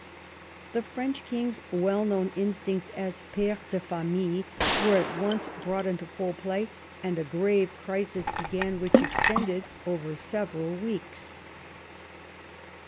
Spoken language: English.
The French King's well known instincts as pire de famille were at once brought into full play, and a grave crisis began which extended over several weeks.